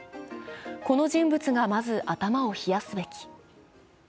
この人物がまず頭を冷やすべき。